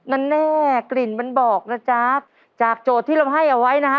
แน่กลิ่นมันบอกนะจ๊ะจากโจทย์ที่เราให้เอาไว้นะฮะ